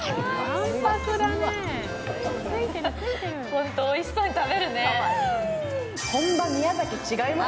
ホント、おいしそうに食べるね。